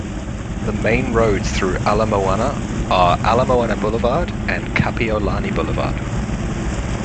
The main roads through Ala Moana are Ala Moana Boulevard and Kapiolani Boulevard.